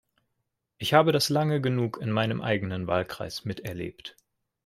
Ich habe das lange genug in meinem eigenen Wahlkreis miterlebt.